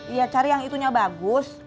iya cari yang itunya bagus